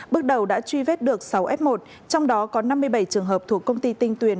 bước đầu đã truy vết được sáu f một trong đó có năm mươi bảy trường hợp thuộc công ty tinh tuyền